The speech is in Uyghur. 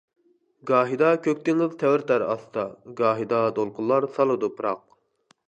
گاھىدا كۆك دېڭىز تەۋرىتەر ئاستا، گاھىدا دولقۇنلار سالىدۇ پىراق.